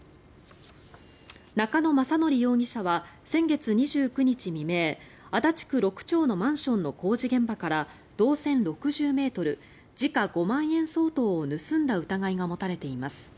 中野将範容疑者は先月２９日未明足立区六町のマンションの工事現場から銅線６０ｍ時価５万円相当を盗んだ疑いが持たれています。